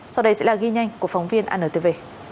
sau đây sẽ là ghi nhanh của phóng viên antv